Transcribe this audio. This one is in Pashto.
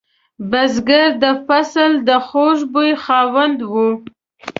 بزګر د فصل د خوږ بوی خاوند وي